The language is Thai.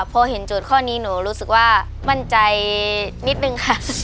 พอเห็นโจทย์ข้อนี้หนูรู้สึกว่ามั่นใจนิดนึงค่ะ